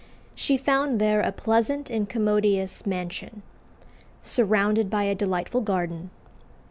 She found there a pleasant and commodious mansion, surrounded by a delightful garden.